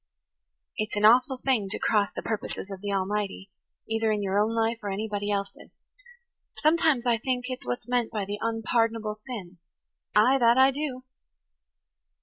It's an awful thing to cross the purposes of the Almighty, either in your own life or anybody else's. Sometimes I think it's what's meant by the unpardonable sin–ay, that I do!"